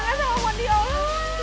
kita memang lupa menjawabnya